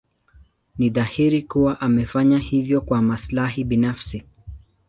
Ni dhahiri kuwa amefanya hivyo kwa maslahi binafsi.